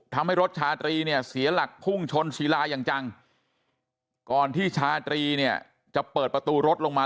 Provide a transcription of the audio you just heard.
ทำให้รถชาตรีเนี่ยเสียหลักพุ่งชนศิลาอย่างจังก่อนที่ชาตรีเนี่ยจะเปิดประตูรถลงมา